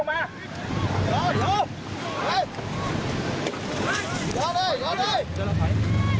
เยอะด้วยเยอะด้วย